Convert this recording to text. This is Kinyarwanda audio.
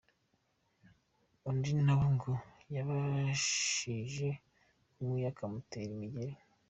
Undi nawe ngo yabashije kumwiyaka amutera imigeri.